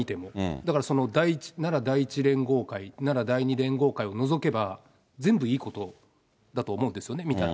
だから奈良第１連合会、奈良第２連合会を除けば、全部いいことだと思うんですよね、見たら。